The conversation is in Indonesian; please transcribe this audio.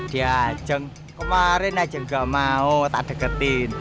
di ajeng kemarin ajeng gak mau tak deketin